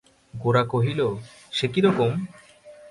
গোরা কহিল, সে কী রকম?